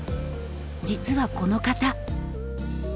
実はこの方。